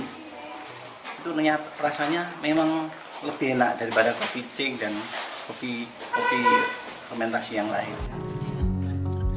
itu rasanya memang lebih enak daripada kopi cing dan kopi fementasi yang lain